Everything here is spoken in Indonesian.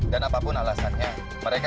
dan apapun alasannya mereka